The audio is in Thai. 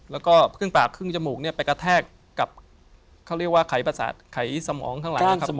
แล้วก็ขึ้นปากครึ่งจมูกไปกระแทกกับเขาเรียกว่าไขสมองข้างหลัง